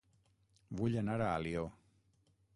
Vull anar a Alió